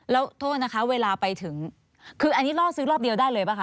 แล้วโทษนะคะเวลาไปถึงคืออันนี้ล่อซื้อรอบเดียวได้เลยป่ะค